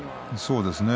そうですね。